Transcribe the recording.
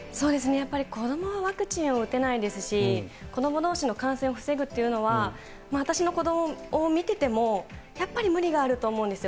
やっぱり子どもはワクチンを打てないですし、子どもどうしの感染を防ぐっていうのは、私の子どもを見てても、やっぱり無理があると思うんですよ。